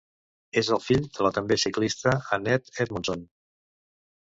És el fill de la també ciclista Annette Edmondson.